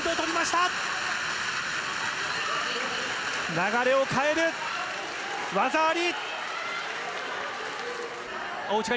流れを変える技あり。